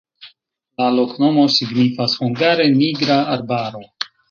La loknomo signifas hungare: nigra-arbaro.